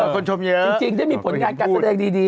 คนชมเยอะจริงได้มีผลงานการแสดงดี